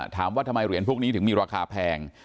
ถามว่าทำไมเหรียญพวกนี้ถึงมีราคาแพง